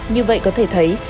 như vậy có thể thấy